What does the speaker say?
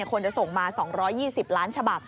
ควรจะส่งมา๒๒๐ล้านฉบับ